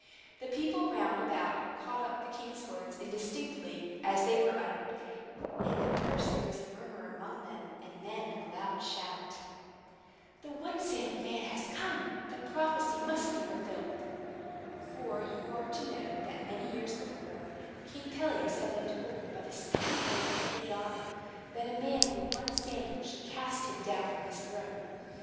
The people round about caught up the king's words, indistinctly as they were uttered; and first there was a murmur amongst them, and then a loud shout. "The one sandaled man has come! The prophecy must be fulfilled!" For you are to know, that, many years before, King Pelias had been told by the Speaking Oak of Dodona, that a man with one sandal should cast him down from his throne.